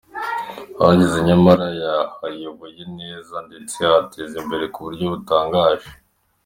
Ahageze nyamara yahayoboye neza, ndetse ahateza imbere ku buryo butangaje.